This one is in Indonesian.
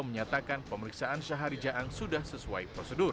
menyatakan pemeriksaan syahari jaang sudah sesuai prosedur